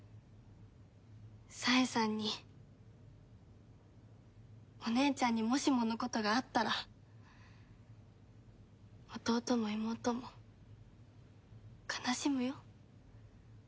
冴さんにお姉ちゃんにもしものことがあったら弟も妹も悲しむよ。